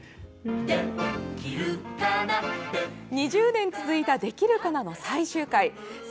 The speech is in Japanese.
２０年続いた「できるかな」の最終回。